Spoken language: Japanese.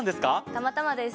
たまたまです。